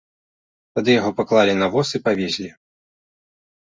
Тады яго паклалі на воз і павезлі.